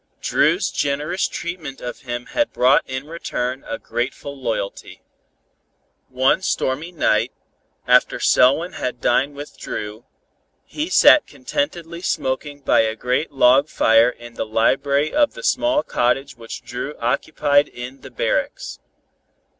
Dru's generous treatment of him had brought in return a grateful loyalty. One stormy night, after Selwyn had dined with Dru, he sat contentedly smoking by a great log fire in the library of the small cottage which Dru occupied in the barracks.